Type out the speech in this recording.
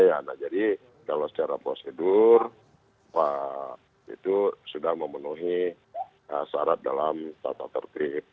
ya nah jadi kalau secara prosedur itu sudah memenuhi syarat dalam tata tertib